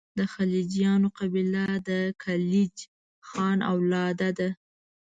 د خلجیانو قبیله د کلیج خان اولاد ده.